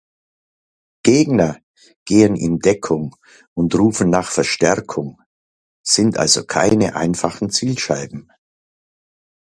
Gegner gehen in Deckung und rufen nach Verstärkung, sind also keine einfachen Zielscheiben.